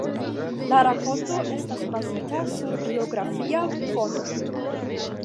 La rakonto estas bazita sur biografia fono.